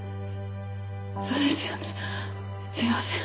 そうですよねすみません。